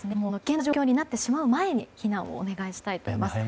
危険な状況になってしまう前に避難をお願いしたいと思います。